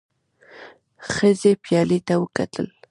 ښځې پيالې ته وکتل.